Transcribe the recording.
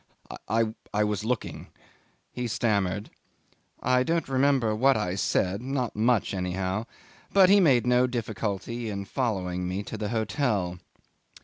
"I was looking," he stammered. I don't remember what I said, not much anyhow, but he made no difficulty in following me to the hotel.